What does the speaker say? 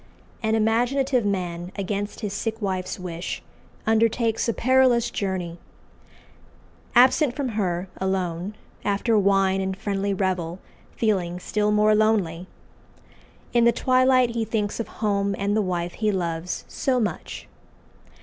An imaginative man, against his sick wife's wish, undertakes a perilous journey. Absent from her alone after wine and friendly revel feeling still more lonely in the twilight he thinks of home and the wife he loves so much.